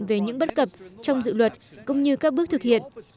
về những bất cập trong dự luật cũng như các bước thực hiện